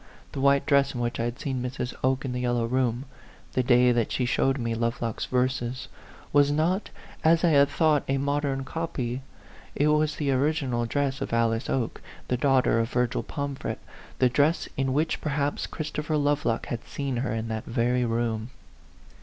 The white dress in which I had seen Mrs. Oke in the yellow room, the day that she showed me Lovelock's verses, was not, as I had thought, a modern copy ; it was the original dress of Alice Oke, the daughter of Virgil Pomfret the dress in which, perhaps, Chris topher Lovelock had seen her in that very room.